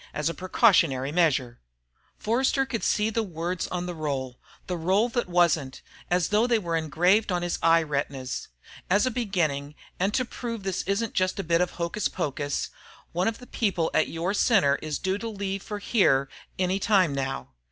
as a precautionary measure.... Forster could see the words on the roll, the roll that wasn't, as though they were engraved on his eye retinas: _As a beginning, and to prove this isn't just a bit of hocus pocus, one of the people at your Center is due to leave for here any time now.